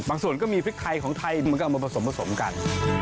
บางส่วนก็มีพริกไทยของไทยมันก็เอามาผสมกัน